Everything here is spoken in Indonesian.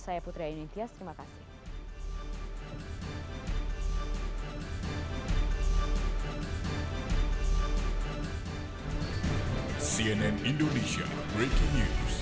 saya putri ayun intiaz terima kasih